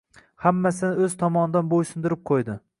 — hammasini O‘z tomonidan bo‘ysundirib qo‘ydi.